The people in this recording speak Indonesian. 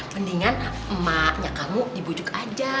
mendingan emaknya kamu dibujuk aja